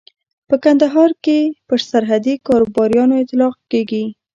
په کندهار کې پر سرحدي کاروباريانو اطلاق کېږي.